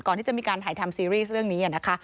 ก่อนที่จะมีการถ่ายทำซีรีส์เรื่องนี้นะคะ